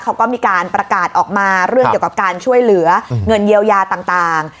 เขาก็มีการประกาศออกมาเรื่องเกี่ยวกับการช่วยเหลือเงินเยียวยาต่าง